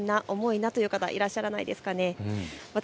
体がだるい、重いなという方、いらっしゃらないですか。